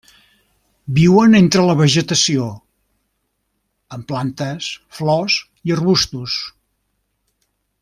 Viuen entre la vegetació, en plantes, flors i arbusts.